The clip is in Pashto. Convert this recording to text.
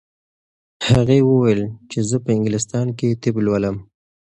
هغې وویل چې زه په انګلستان کې طب لولم.